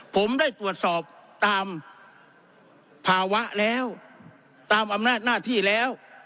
ผมได้ตรวจสอบตามภาวะแล้วตามอำนาจหน้าที่แล้ว